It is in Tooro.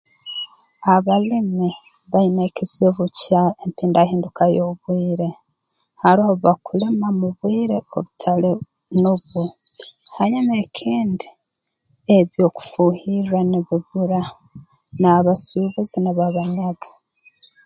Abalimi baine ekizibu kya empindahinduka y'obwire haroho obu bakulima mu bwire obutali nubwo hanyuma ekindi eby'okufuuhirra nibibura n'abasuubuzi nibabanyaga